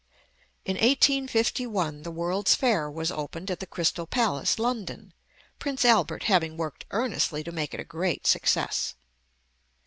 In 1851, the World's Fair was opened at the Crystal Palace, London, Prince Albert having worked earnestly to make it a great success.